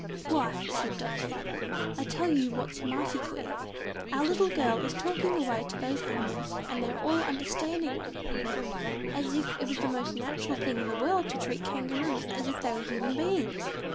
"Wife" said Dot's father, "I'll tell you what's mighty queer, our little girl is talking away to those animals, and they're all understanding one another, as if it was the most natural thing in the world to treat Kangaroos as if they were human beings!"